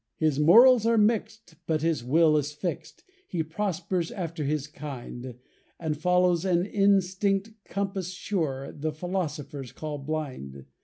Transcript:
His morals are mixed, but his will is fixed; He prospers after his kind, And follows an instinct, compass sure, The philosophers call blind.